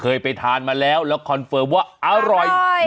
เคยไปทานมาแล้วแล้วคอนเฟิร์มว่าอร่อย